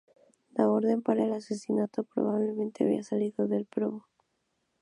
La orden para el asesinato probablemente había salido de Probo.